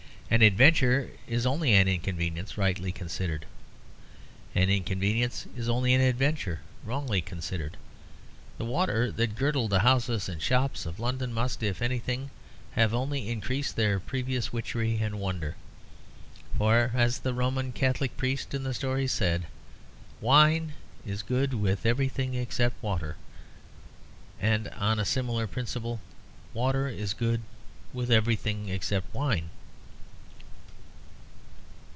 An adventure is only an inconvenience rightly considered. An inconvenience is only an adventure wrongly considered. The water that girdled the houses and shops of London must, if anything, have only increased their previous witchery and wonder. For as the Roman Catholic priest in the story said: "Wine is good with everything except water," and on a similar principle, water is good with everything except wine.